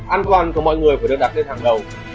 an toàn của mọi người phải được đặt lên hàng đầu